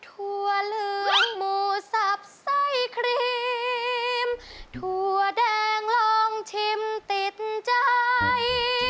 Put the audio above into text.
ถั่วเหลืองหมูสับไส้ครีมถั่วแดงลองชิมติดใจ